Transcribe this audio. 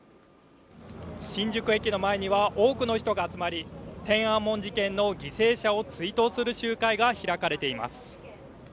新宿駅の前には多くの人が集まり天安門事件の犠牲者を追悼する集会が開かれています。